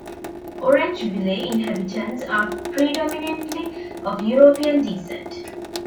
Orangeville inhabitants are predominantly of European descent.